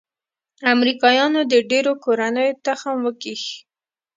امریکايانو د ډېرو کورنيو تخم وکيښ.